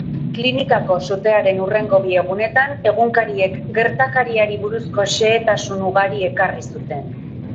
Klinikako sutearen hurrengo bi egunetan egunkariek gertakariari buruzko xehetasun ugari ekarri zuten.